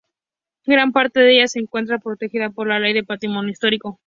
Gran parte de ella se encuentra protegida por la ley de patrimonio histórico.